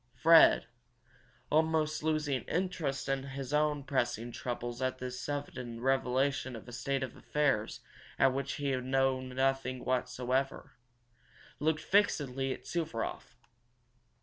Fred, almost losing interest in his own pressing troubles at this sudden revelation of a state of affairs of which he had known nothing whatever, looked fixedly at Suvaroff.